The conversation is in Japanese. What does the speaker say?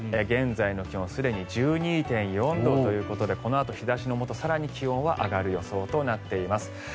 現在の気温すでに１２．４度ということでこのあと日差しのもと更に気温は上がる予想となっています。